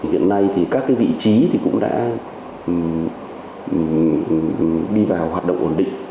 hiện nay thì các vị trí thì cũng đã đi vào hoạt động ổn định